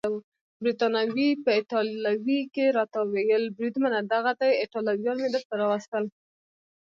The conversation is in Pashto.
بریتانوي په ایټالوي کې راته وویل: بریدمنه دغه دي ایټالویان مې درته راوستل.